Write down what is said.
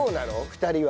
２人は。